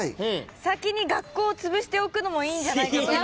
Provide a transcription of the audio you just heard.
先に学校をつぶしておくのもいいんじゃないかと。